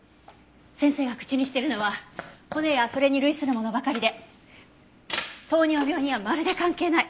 先生が口にしてるのは骨やそれに類するものばかりで糖尿病にはまるで関係ない。